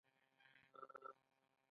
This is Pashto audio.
موږ د رښتیا ویلو جرئت نه لرو.